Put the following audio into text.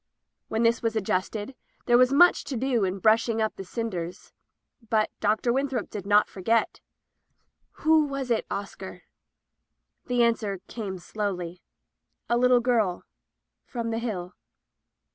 When this was adjusted, there was much to do in brushing up die cin ders. But Dr. Winthrop did not forget. "Who was it, Oscar?" The answer came slowly — "A little girl— from the Hill."